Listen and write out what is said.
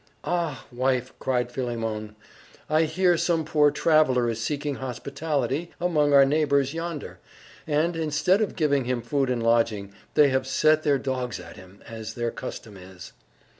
"Ah, wife," cried Philemon, "I fear some poor traveller is seeking hospitality among our neighbours yonder, and, instead of giving him food and lodging, they have set their dogs at him, as their custom is!"